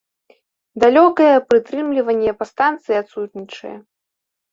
Далёкае прытрымліванне па станцыі адсутнічае.